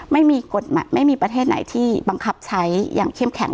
ไม่มีกฎหมายไม่มีประเทศไหนที่บังคับใช้อย่างเข้มแข็ง